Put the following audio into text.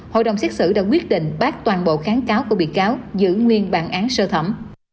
hội đồng xét xử đã quyết định bác toàn bộ kháng cáo của bị cáo giữ nguyên bản án sơ thẩm